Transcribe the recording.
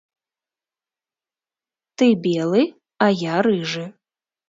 Ты белы, а я рыжы.